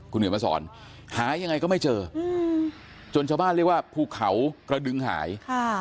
คุณเห็นมาสอนหายังไงก็ไม่เจอจนชาวบ้านเรียกว่าภูเขากระดึงหาย